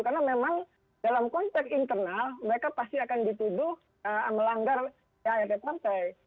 karena memang dalam konteks internal mereka pasti akan dituduh melanggar pdip partai